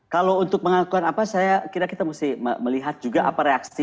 kalau untuk mengakukan apa saya kira kita mesti melihat juga apa reaksi